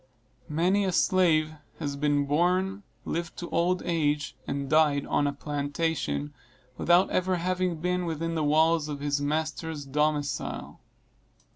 Many a slave has been born, lived to old age, and died on a plantation, without ever having been within the walls of his master's domicile.